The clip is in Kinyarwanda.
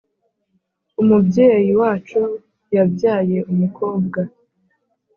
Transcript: umubyeyyi wacu yabyaye umukobwa